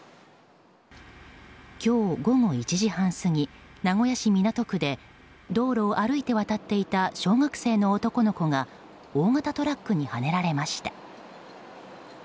今日午後１時半過ぎ名古屋市港区で道路を歩いて渡っていた小学生の男の子が大型トラックにはねられました。